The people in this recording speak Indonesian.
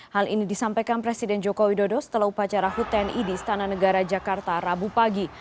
hal ini disampaikan presiden jokowi dodo setelah upacara huten idi stana negara jakarta rabu pagi